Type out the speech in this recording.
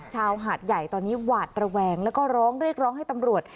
หาดใหญ่ตอนนี้หวาดระแวงแล้วก็ร้องเรียกร้องให้ตำรวจ